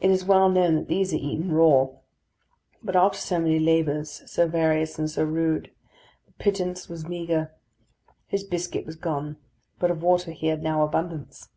It is well known that these are eaten raw: but after so many labours, so various and so rude, the pittance was meagre. His biscuit was gone; but of water he had now abundance.